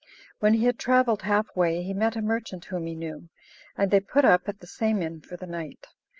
When he had travelled half way, he met a merchant whom he knew, and they put up at the same inn for the night.